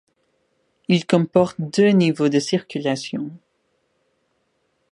Il comporte deux niveaux de circulation.